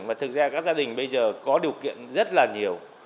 mà thực ra các gia đình bây giờ có điều kiện rất là nhiều